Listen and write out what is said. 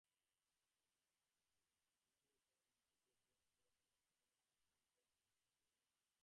ভবানীচরণের যে পুত্র আছে এবং তাহার নাম কালীপদ তাহা সে জানিতই না।